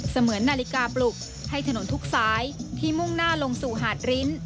เหมือนนาฬิกาปลุกให้ถนนทุกสายที่มุ่งหน้าลงสู่หาดริ้น